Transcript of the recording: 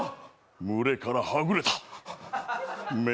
群れからはぐれた。